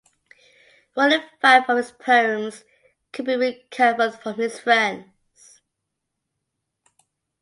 One in five of his poems could be recovered from his friends.